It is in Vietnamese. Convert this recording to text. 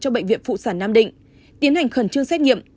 cho bệnh viện phụ sản nam định tiến hành khẩn trương xét nghiệm